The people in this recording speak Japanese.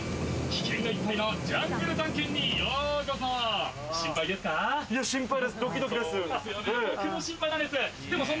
危険がいっぱいのジャングル探検にようこそ！